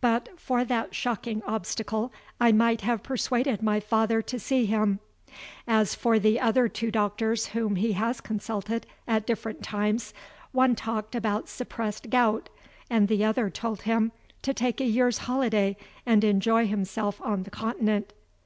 But for that shocking obstacle I might have persuaded my father to see him. As for the other two doctors whom he has consulted, at different times, one talked about suppressed gout, and the other told him to take a year's holiday and enjoy himself on the Continent.